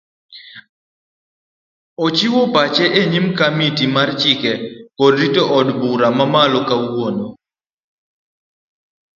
Ochiwo pache enyim kamiti mar chike kod ratiro eod bura mamalo kawuono